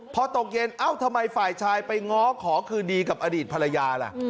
พอตกเย็นเอ้าทำไมฝ่ายชายไปง้อขอคืนดีกับอดีตภรรยาล่ะ